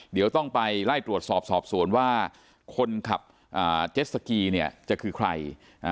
เดี๋ยวต้องไปไล่ตรวจสอบสอบสวนว่าคนขับเจ็ดสกีเนี่ยจะคือใคร